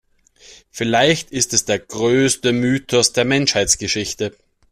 Vielleicht ist es der größte Mythos der Menschheitsgeschichte.